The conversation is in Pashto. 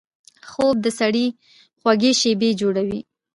خوب د سړي خوږې شیبې جوړوي